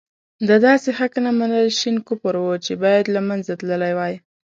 د داسې حق نه منل شين کفر وو چې باید له منځه تللی وای.